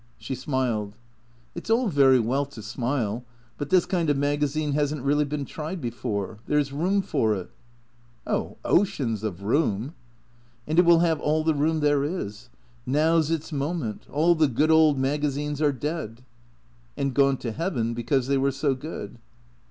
She smiled. " It 's all very well to smile ; but this kind of magazine has n't really been tried before. There 's room for it." " Oh, oceans of room." " And it will have all the room there is. Now 's its moment. All the good old magazines are dead." " And gone to heaven because they were so good."